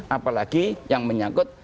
apalagi yang menyangkut